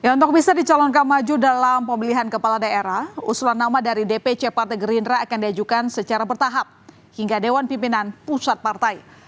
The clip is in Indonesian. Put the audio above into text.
untuk bisa dicalonkan maju dalam pemilihan kepala daerah usulan nama dari dpc partai gerindra akan diajukan secara bertahap hingga dewan pimpinan pusat partai